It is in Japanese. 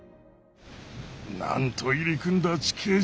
なんと入り組んだ地形じゃ。